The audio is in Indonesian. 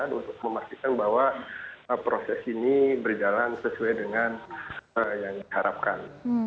untuk memastikan bahwa proses ini berjalan sesuai dengan yang diharapkan